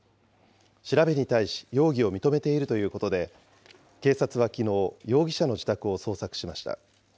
調べに対し容疑を認めているということで、警察はきのう、容疑者の自宅を捜索しました。